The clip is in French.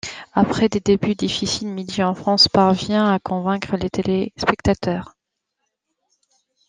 Après des débuts difficiles, Midi en France parvient à convaincre les téléspectateurs.